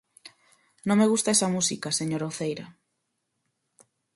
Non me gusta esa música, señora Uceira.